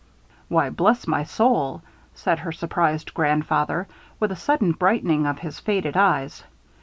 "Why, bless my soul!" said her surprised grandfather; with a sudden brightening of his faded eyes.